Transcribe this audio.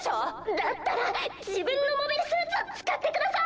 だったら自分のモビルスーツを使ってください！